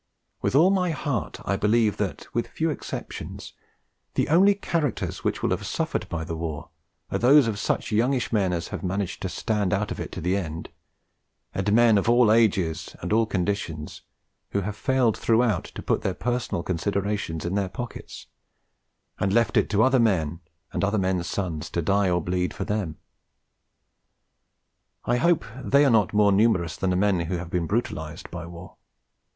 With all my heart I believe that, with few exceptions, the only characters which will have suffered by the war are those of such youngish men as have managed to stand out of it to the end, and men of all ages and all conditions who have failed throughout to put their personal considerations in their pockets, and left it to other men and other men's sons to die or bleed for them. I hope they are not more numerous than the men who have been 'brutalised' by war.